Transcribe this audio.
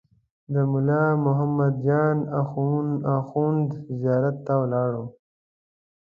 د ملا محمد جان اخوند زیارت ته ولاړم.